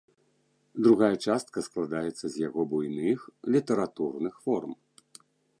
Другая частка складаецца з яго буйных літаратурных форм.